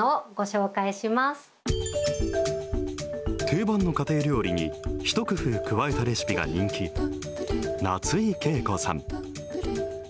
定番の家庭料理に一工夫加えたレシピが人気、夏井景子さん。